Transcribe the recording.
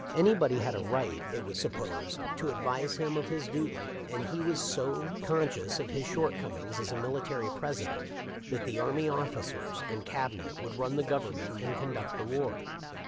Anybody had a right, it was supposed, to advise him of his duty ; and he was so conscious of his shortcomings as a military Presi dent that the army officers and Cabinet would run the Government and conduct the war.